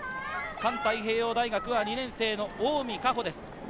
環太平洋大学は２年生の近江香穂です。